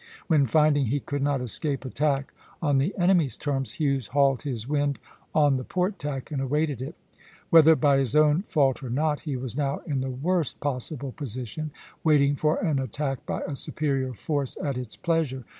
when, finding he could not escape attack on the enemy's terms, Hughes hauled his wind on the port tack and awaited it (C). Whether by his own fault or not, he was now in the worst possible position, waiting for an attack by a superior force at its pleasure.